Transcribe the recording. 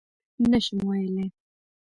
_نه شم ويلای.